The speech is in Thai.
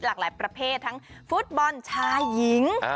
หลากหลายประเภททั้งฟุตบอลชายหญิง